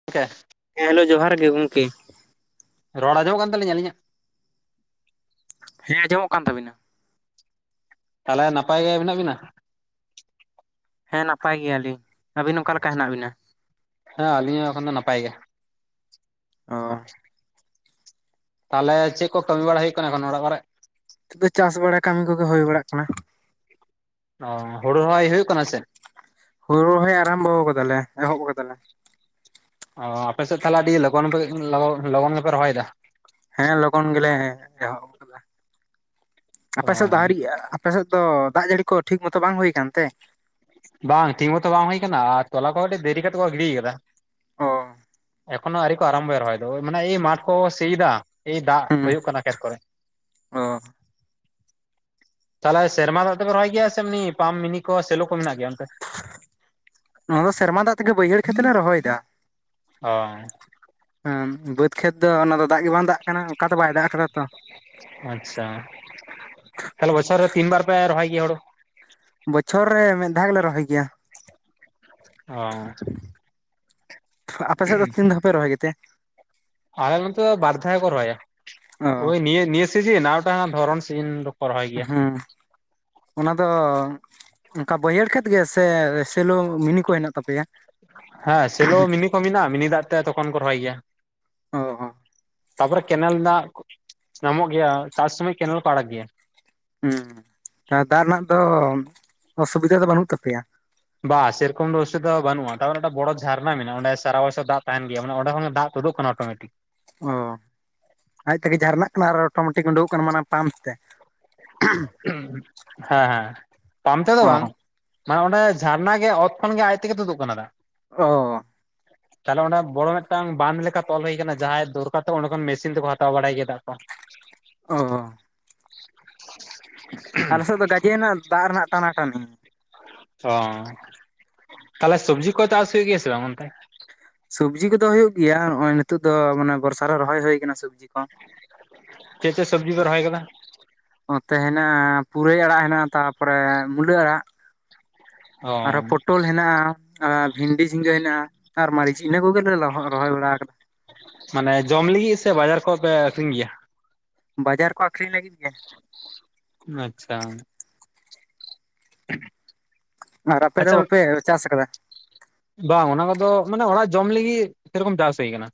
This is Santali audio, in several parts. [inaudible] ᱦᱮᱸ ᱦᱮᱞᱳ ᱡᱚᱦᱟᱨ ᱜᱮ ᱜᱚᱢᱠᱮ᱾ ᱨᱚᱲ ᱟᱸᱡᱚᱢᱚᱜ ᱠᱟᱱ ᱛᱟᱹᱞᱤᱧ ᱟᱹᱞᱤᱧᱟᱜ? ᱦᱮᱸ ᱟᱡᱚᱢᱚᱜ ᱠᱟᱱ ᱛᱟᱹᱵᱤᱱᱟ᱾ ᱛᱟᱦᱚᱞᱮ ᱱᱟᱯᱟᱭ ᱜᱮ ᱢᱮᱱᱟᱜ ᱵᱤᱱᱟ? ᱦᱮᱸ ᱱᱟᱯᱟᱭ ᱜᱮᱭᱟᱞᱤᱧ ᱾ᱟᱹᱵᱤᱱ ᱚᱱᱠᱟ ᱞᱮᱠᱟ ᱦᱮᱱᱟᱜ ᱵᱤᱱᱟ? ᱦᱮᱸ ᱟᱹᱞᱤᱧ ᱦᱚᱸ ᱮᱠᱷᱚᱱ ᱫᱚ ᱱᱟᱯᱟᱭ ᱜᱮ᱾ ᱚ ᱛᱟᱦᱚᱞᱮ ᱪᱮᱫ ᱠᱚ ᱠᱟᱹᱢᱤ ᱵᱟᱲᱟ ᱦᱩᱭᱩᱜ ᱠᱟᱱᱟ ᱮᱠᱷᱚᱱ ᱚᱲᱟᱜ ᱠᱚᱨᱮᱜ? ᱱᱤᱛᱚᱜ ᱫᱚ ᱪᱟᱥ ᱵᱟᱲᱟ ᱠᱟᱹᱢᱤ ᱠᱚᱜᱮ ᱦᱩᱭ ᱵᱟᱲᱟᱜ ᱠᱟᱱᱟ᱾ ᱚ ᱦᱩᱲᱩ ᱨᱚᱦᱚᱭ ᱦᱩᱭᱩᱜ ᱠᱟᱱᱟ ᱥᱮ? ᱦᱳᱲᱳ ᱨᱚᱦᱚᱭ ᱟᱨᱟᱢᱵᱷᱚ ᱟᱠᱟᱫᱟᱞᱮ ᱮᱦᱚᱵ ᱟᱠᱟᱫᱟᱞᱮ᱾ ᱚᱻ ᱟᱯᱮᱥᱮᱫ ᱛᱟᱦᱚᱞᱮ ᱟᱹᱰᱤ ᱞᱚᱜᱚᱱᱯᱮ ᱞᱚᱜᱚᱱ ᱜᱮᱯᱮ ᱨᱚᱦᱚᱭᱮᱫᱟ᱾ ᱦᱮᱸ ᱞᱚᱜᱚᱱ ᱜᱮᱞᱮ ᱮᱦᱚᱜᱩ ᱠᱟᱫᱟ, ᱟᱯᱮ ᱥᱮᱫ ᱫᱚ ᱚ ᱟᱣᱨᱤᱜᱼᱟ? ᱟᱯᱟᱥᱮᱫ ᱫᱚ ᱫᱟᱜ ᱡᱟᱹᱲᱤ ᱠᱚ ᱴᱷᱤᱠ ᱢᱚᱛᱚ ᱵᱟᱝ ᱦᱩᱭ ᱟᱠᱟᱱ ᱛᱮ? ᱵᱟᱝ ᱴᱷᱤᱠ ᱢᱚᱛᱚ ᱵᱟᱝ ᱦᱩᱭ ᱟᱠᱟᱱᱟ ᱟᱨ ᱛᱚᱞᱟ ᱠᱚ ᱠᱟᱹᱴᱤᱡ ᱫᱮᱨᱤ ᱠᱟᱛᱮ ᱠᱚ ᱜᱤᱰᱤ ᱟᱠᱟᱫᱟ᱾ ᱚ ᱮᱠᱷᱚᱱᱳ ᱟᱣᱨᱤᱠᱚ ᱟᱨᱟᱢᱵᱷᱚᱭᱟ ᱨᱚᱦᱚᱭ ᱫᱚ ᱳᱭ ᱢᱟᱱᱮ ᱢᱟᱴ ᱠᱚ ᱠᱚ ᱥᱤᱭ ᱮᱫᱟ᱾ ᱮᱭ ᱫᱟᱜ ᱦᱩᱸ ᱦᱩᱭᱩᱜ ᱠᱟᱱᱟ ᱠᱷᱮᱛ ᱠᱚᱨᱮ᱾ ᱚ ᱛᱟᱦᱚᱞᱮ ᱥᱮᱨᱢᱟ ᱫᱟᱜ ᱛᱮᱯᱮ ᱨᱚᱦᱚᱭ ᱜᱮᱭᱟ ᱥᱮ ᱮᱢᱱᱤ ᱯᱟᱢ ᱢᱤᱱᱤ ᱠᱚ ᱥᱮᱞᱳ᱾ ᱢᱮᱱᱟᱜ ᱜᱮᱭᱟ ᱚᱱᱛᱮ? ᱱᱚᱣᱟ ᱫᱚ ᱥᱮᱨᱢᱟ ᱫᱟᱜ ᱛᱮᱜᱮ ᱵᱟᱹᱭᱦᱟᱹᱲ ᱠᱷᱮᱛᱞᱮ ᱨᱚᱦᱚᱭᱮᱫᱟ᱾ ᱚᱻ᱾ ᱦᱮᱸ ᱵᱟᱹᱫᱽ ᱠᱷᱮᱛ ᱫᱚ ᱚᱱᱟ ᱫᱚ ᱫᱟᱜ ᱜᱮ ᱵᱟᱝ ᱫᱟᱜ ᱠᱟᱱᱟ ᱚᱠᱟ ᱫᱚ ᱵᱟᱭ ᱫᱟᱜ ᱠᱟᱫᱟ ᱛᱚ᱾ ᱟᱪᱪᱷᱟ ᱛᱟᱦᱚᱞᱮ ᱵᱚᱪᱷᱚᱨ ᱨᱮ ᱛᱤᱱ ᱵᱟᱨ ᱯᱮ ᱨᱚᱦᱚᱭ ᱜᱮᱭᱟ ᱦᱳᱲᱳ? ᱵᱚᱪᱷᱚᱨ ᱨᱮ ᱢᱤᱫ ᱫᱷᱟᱣ ᱜᱮᱞᱮ ᱨᱚᱦᱚᱭ ᱜᱮᱭᱟ᱾ ᱚᱻ᱾ ᱟᱯᱮ ᱥᱮᱫ ᱫᱚ ᱛᱤᱱ ᱫᱷᱟᱣ ᱯᱮ ᱨᱚᱦᱚᱭ ᱜᱮᱛᱮ? ᱟᱞᱮ ᱱᱚᱛᱚ ᱵᱟᱨ ᱫᱷᱟᱣ ᱜᱮᱠᱚ ᱨᱚᱦᱚᱭᱟ ᱚ ᱳᱭ ᱱᱤᱭᱟᱹ ᱱᱤᱭᱟᱹ ᱥᱤᱡᱤᱱ ᱟᱨᱢᱤᱴᱟᱝ ᱫᱷᱚᱨᱚᱱ ᱥᱤᱡᱤᱱ ᱫᱚᱠᱚ ᱨᱚᱦᱚᱭ ᱜᱮᱭᱟ ᱦᱩᱸ᱾ ᱚᱱᱟ ᱫᱚ ᱚᱱᱠᱟ ᱵᱟᱹᱭᱦᱟᱹᱲ ᱠᱷᱮᱛ ᱜᱮᱥᱮ ᱥᱮᱞᱚ ᱢᱤᱱᱤ ᱠᱚ ᱦᱮᱱᱟᱜ ᱛᱟᱯᱮᱭᱟ? ᱦᱮᱸ ᱥᱮᱞᱚ ᱢᱤᱱᱤ ᱠᱚ ᱢᱮᱱᱟᱜᱼᱟ ᱢᱤᱱᱤ ᱫᱟᱜ ᱛᱮ ᱛᱚᱠᱷᱚᱱ ᱠᱚ ᱨᱚᱦᱚᱭ ᱜᱮᱭᱟ᱾ ᱚ ᱦᱚᱸ ᱾ ᱛᱟᱯᱚᱨᱮ ᱠᱮᱱᱮᱞ ᱫᱟᱜ ᱧᱟᱢᱚᱜ ᱜᱮᱭᱟ ᱪᱟᱥ ᱥᱩᱢᱚᱭ ᱠᱮᱱᱮᱞ ᱠᱚ ᱟᱲᱟᱜ ᱜᱮᱭᱟ᱾ ᱦᱮᱸ ᱫᱟᱜ ᱨᱮᱱᱟᱜ ᱫᱚ ᱚᱥᱩᱵᱤᱫᱟ ᱫᱚ ᱵᱟᱹᱱᱩᱜ ᱛᱟᱯᱮᱭᱟ ᱾ ᱵᱟ ᱥᱮᱨᱚᱠᱚᱢ ᱫᱚ ᱚᱥᱩᱵᱤᱫᱷᱟ ᱫᱚ ᱵᱟᱹᱱᱩᱜᱼᱟ ᱛᱟᱨᱢᱟᱱᱮ ᱢᱤᱫᱴᱟ ᱵᱚᱲᱚ ᱡᱷᱟᱨᱱᱟ ᱢᱮᱱᱟᱜᱼᱟ ᱚᱰᱮ ᱥᱟᱨᱟ ᱵᱚᱭᱷᱚᱨ ᱫᱟᱜ ᱛᱟᱦᱮᱱ ᱜᱮᱭᱟ ᱢᱟᱱᱮ ᱚᱸᱰᱮ ᱠᱷᱚᱱ ᱫᱚ ᱫᱟᱜ ᱩᱰᱩᱠᱚᱜ ᱠᱟᱱᱟ ᱚᱴᱳᱢᱮᱴᱤᱠ᱾ ᱚ ᱟᱡ ᱛᱮᱜᱮ ᱡᱷᱟᱨᱱᱟᱜ ᱠᱟᱱᱟ ᱟᱨ ᱚᱴᱳᱢᱮᱴᱤᱠ ᱩᱰᱩᱠᱚᱜ ᱠᱟᱱᱟ ᱢᱟᱱᱮ ᱯᱟᱢᱯ ᱛᱮ᱾ ᱦᱮᱸ ᱦᱮᱸ ᱯᱟᱯᱢ ᱛᱮᱫᱚ ᱵᱟᱝ ᱚ ᱾ ᱢᱟᱱᱮ ᱚᱸᱰᱮ ᱡᱷᱟᱨᱱᱟ ᱜᱮ ᱚᱛ ᱠᱷᱚᱱ ᱜᱮ ᱟᱡ ᱛᱮᱜᱮ ᱛᱩᱫᱩᱜ ᱠᱟᱱᱟ ᱫᱟᱜ ᱾ ᱚᱻ᱾ ᱛᱟᱦᱚᱞᱮ ᱚᱰᱮᱸ ᱵᱚᱲᱚ ᱢᱤᱫᱴᱟᱝ ᱵᱟᱱ ᱞᱮᱠᱟ ᱛᱚᱞ ᱦᱩᱭ ᱟᱠᱟᱱᱟ ᱡᱟᱦᱟᱸᱭ ᱫᱚᱨᱠᱟᱨ ᱛᱟᱠᱚ ᱚᱸᱰᱮ ᱠᱷᱚᱱ ᱢᱮᱥᱤᱱ ᱛᱮᱠᱚ ᱦᱟᱛᱟᱣ ᱵᱟᱲᱟᱭ ᱜᱮᱭᱟ ᱫᱟᱜ ᱠᱚ ᱾ ᱚᱻ᱾ ᱟᱞᱮ ᱥᱮᱫ ᱫᱚ ᱜᱟᱡᱮ ᱨᱮᱱᱟᱜ ᱫᱟᱜ ᱨᱮᱱᱟᱜ ᱴᱟᱱᱟ ᱴᱟᱹᱱᱤ ᱾ ᱚ ᱛᱟᱦᱚᱞᱮ ᱥᱚᱵᱽᱡᱤ ᱠᱚ ᱪᱟᱥ ᱦᱩᱭ ᱜᱮᱭᱟ ᱥᱮ ᱵᱟᱝ ᱜᱚᱢᱠᱮ? ᱥᱚᱵᱡᱤ ᱠᱚᱫᱚ ᱦᱩᱭᱩᱜ ᱜᱮᱭᱟ ᱱᱚᱜᱼᱚᱭ ᱱᱤᱛᱚᱜ ᱫᱚ ᱢᱟᱱᱮ ᱵᱚᱨᱥᱟ ᱨᱮ ᱨᱚᱦᱚᱭ ᱦᱩᱭ ᱠᱟᱱᱟ ᱥᱚᱵᱡᱤ ᱠᱚ ᱾ ᱪᱮᱫ ᱪᱮᱫ ᱥᱚᱵᱽᱡᱤ ᱯᱮ ᱨᱚᱦᱚᱭ ᱟᱠᱟᱫᱟ? ᱚᱛᱮ ᱦᱮᱱᱟᱜᱼᱟ ᱯᱩᱨᱟᱹᱭ ᱟᱲᱟᱜ ᱦᱮᱱᱟᱜᱼᱟ ᱛᱟᱯᱚᱨᱮ ᱢᱩᱞᱟᱹ ᱟᱲᱟᱜ ᱾ ᱚ ᱟᱨᱚ ᱯᱚᱴᱚᱞ ᱦᱮᱱᱟᱜᱼᱟ᱾ ᱟᱨ ᱵᱷᱤᱱᱰᱤ ᱡᱷᱤᱸᱜᱟᱹ ᱦᱮᱱᱟᱜᱼᱟ ᱟᱨ ᱢᱟᱹᱨᱤᱪ ᱤᱱᱟᱹ ᱠᱚᱜᱮᱞᱮ ᱨᱚᱦᱚᱭ ᱵᱟᱲᱟ ᱟᱠᱟ ᱢᱟᱱᱮ ᱡᱚᱢ ᱞᱟᱹᱜᱤᱫ ᱥᱮ ᱵᱟᱡᱟᱨ ᱠᱷᱚᱡ ᱯᱮ ᱟᱠᱷᱨᱤᱧ ᱜᱮᱭᱟ? ᱵᱟᱡᱟᱨ ᱠᱚ ᱟᱹᱷᱨᱤᱧ ᱞᱟᱹᱜᱤᱫ ᱜᱮ ᱾ ᱟᱪᱪᱷᱟ ᱾ ᱟᱨ ᱟᱯᱮ ᱫᱚ ᱟᱪᱪᱷᱟ ᱵᱟᱯᱮ ᱪᱟᱥ ᱟᱠᱟᱫᱟ? ᱵᱟᱝ ᱚᱱᱟ ᱠᱚᱫᱚ ᱢᱟᱱᱮ ᱚᱲᱟᱜ ᱡᱚᱢ ᱞᱟᱹᱜᱤᱫ ᱥᱮᱨᱚᱠᱚᱢ ᱪᱟᱥ ᱦᱩᱭ ᱟᱠᱟᱱᱟ᱾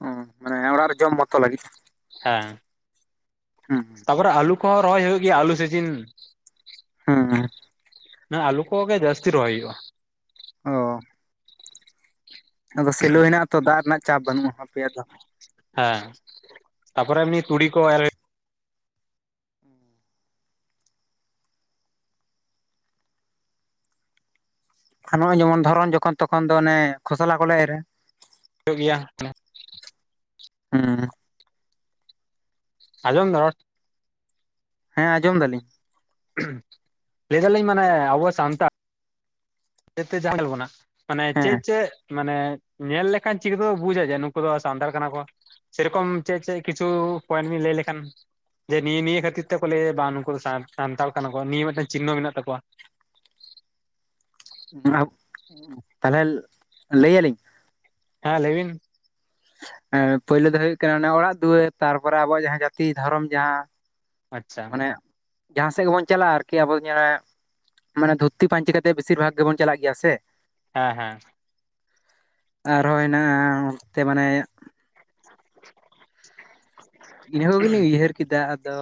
ᱚ ᱢᱟᱱᱮ ᱚᱲᱟᱜ ᱨᱮ ᱡᱚᱢ ᱢᱚᱛᱚ ᱞᱟᱹᱜᱤᱫ ᱾ ᱦᱮᱸ ᱛᱟᱯᱚᱨᱮ ᱟᱹᱞᱩ ᱠᱚᱦᱚᱸ ᱨᱚᱦᱚᱭ ᱦᱩᱭᱩᱜ ᱜᱮᱭᱟ ᱟᱹᱞᱩ ᱥᱤᱡᱤᱱ ᱾ ᱦᱩᱸ ᱾ ᱦᱮ ᱟᱹᱞᱩ ᱠᱚᱜᱮ ᱡᱟᱹᱥᱛᱤ ᱨᱚᱦᱚᱭ ᱦᱩᱭᱩᱜᱼᱟ ᱾ ᱚ᱾ ᱟᱫᱚ ᱥᱮᱞᱳ ᱦᱮᱱᱟᱜ ᱟᱛᱚ ᱫᱟᱜ ᱨᱮᱱᱟᱜ ᱪᱟᱯ ᱵᱟᱹᱱᱩᱜᱼᱟ ᱟᱯᱮᱭᱟᱜ ᱫᱚ ᱾ ᱦᱮᱸ ᱛᱟᱯᱚᱨ ᱮᱢᱱᱤ ᱛᱩᱲᱤ ᱠᱚ ᱮᱨ ᱟᱨ ᱱᱚᱜᱼᱚᱭ ᱡᱮᱢᱚᱱ ᱫᱷᱚᱨᱚᱱ ᱡᱚᱠᱷᱚᱱ ᱛᱚᱠᱷᱚᱱ ᱫᱚ ᱚᱱᱮ ᱠᱷᱚᱥᱚᱞᱟ ᱠᱚᱞᱮ ᱮᱨᱟ᱾ ᱦᱩᱭᱩᱜ ᱜᱮᱭᱟ ᱾ ᱦᱩᱸ᱾ ᱟᱸᱡᱚᱢ ᱫᱟ ᱨᱚᱲ? ᱦᱮᱸ ᱟᱸᱡᱚᱢ ᱫᱟᱞᱤᱧ᱾ ᱞᱟᱹᱭ ᱫᱟᱞᱤᱧ ᱢᱟᱱᱮ ᱟᱵᱚ ᱥᱟᱱᱛᱟᱲ ᱡᱟᱦᱟᱸ ᱧᱮᱞ ᱵᱚᱱᱟ ᱢᱟᱱᱮ ᱦᱮᱸ ᱪᱮᱫ ᱪᱮᱫ ᱢᱟᱱᱮ ᱧᱮᱞ ᱞᱮᱠᱷᱟᱱ ᱪᱤᱠᱟᱹ ᱛᱮᱠᱚ ᱵᱩᱡᱟ ᱡᱮ ᱱᱩᱠᱩ ᱫᱚ ᱥᱟᱱᱛᱟᱲ ᱠᱟᱱᱟ ᱠᱚ? ᱥᱮ ᱨᱚᱠᱚᱢ ᱪᱮᱫ ᱪᱮᱫ ᱠᱤᱪᱷᱩ ᱯᱚᱭᱮᱱᱴ ᱵᱤᱱ ᱞᱟᱹᱭ ᱞᱮᱠᱷᱟᱱ᱾ ᱡᱮ ᱱᱤᱭᱟᱹ ᱱᱤᱭᱟᱹ ᱠᱷᱟᱹᱛᱤᱨ ᱛᱮᱠᱚ ᱞᱟᱹᱭᱟ ᱵᱟᱝ ᱱᱩᱠᱩ ᱫᱚ ᱥᱟᱱᱛᱟᱲ ᱠᱟᱱᱟ ᱠᱚ ᱱᱤᱭᱟᱹ ᱢᱤᱫᱴᱟᱝ ᱪᱤᱱᱱᱚ ᱢᱮᱱᱟᱜ ᱛᱟᱠᱚᱣᱟ᱾ ᱛᱟᱦᱚᱞᱮ ᱞᱟᱹᱭ ᱟᱞᱤᱧ? ᱦᱮᱸ ᱞᱟᱹᱭ ᱵᱤᱱ᱾ ᱯᱳᱭᱞᱳ ᱫᱚ ᱦᱩᱭᱩᱜ ᱠᱟᱱᱟ ᱚᱱᱮ ᱚᱲᱟᱜ ᱫᱩᱣᱟᱹᱨ ᱛᱟᱨᱯᱚᱨᱮ ᱟᱵᱚᱣᱟᱜ ᱡᱟᱦᱟᱸ ᱡᱟᱹᱛᱤ ᱫᱷᱚᱨᱚᱢ ᱡᱟᱦᱟᱸ ᱟᱪᱪᱷᱟ ᱢᱟᱱᱮ ᱡᱟᱦᱟᱸ ᱥᱮᱫ ᱜᱮᱵᱚᱱ ᱪᱟᱞᱟᱜ-ᱟ ᱟᱨᱠᱤ ᱟᱵᱚ ᱫᱚ ᱧᱮᱞ ᱢᱮ ᱢᱟᱱᱮ ᱫᱷᱩᱛᱤ ᱯᱟᱹᱧᱪᱤ ᱠᱟᱛᱮᱫ ᱵᱮᱥᱤᱨ ᱵᱷᱟᱜᱽ ᱜᱮᱵᱚᱱ ᱪᱟᱞᱟᱜ ᱜᱮᱭᱟ ᱥᱮ ᱦᱮᱸ ᱦᱮᱸ ᱟᱨᱦᱚᱸ ᱦᱮᱱᱟᱜ-ᱟ ᱚᱱᱛᱮ ᱢᱟᱱᱮ [inaudible] ᱤᱱᱟᱹ ᱠᱚᱜᱮᱞᱤᱧ ᱩᱭᱦᱟᱹᱨ ᱠᱮᱫᱟ ᱟᱫᱚ